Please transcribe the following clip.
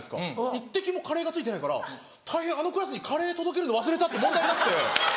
一滴もカレーがついてないから「大変あのクラスにカレーを届けるの忘れた」って問題になって。